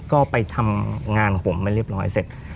ก็ไปทำงานผมไม่เรียบร้อยเสร็จ